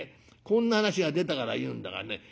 こんな話が出たから言うんだがね